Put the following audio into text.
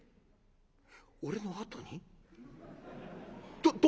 「俺のあとに？